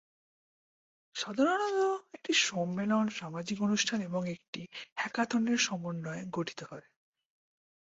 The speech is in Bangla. সাধারণত, এটি সম্মেলন, সামাজিক অনুষ্ঠান এবং একটি হ্যাকাথনের সমন্বয়ে গঠিত হয়।